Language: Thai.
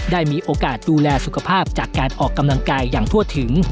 ได้มีโอกาสดูแลสุขภาพจากการออกกำลังกายอย่างทั่วถึง